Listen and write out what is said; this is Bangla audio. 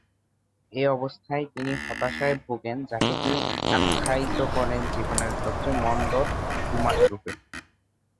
এ অবস্থায় তিনি হতাশায় ভোগেন যাকে তিনি আখ্যায়িত করেন জীবনের সবচেয়ে মন্দ দু’মাসরূপে।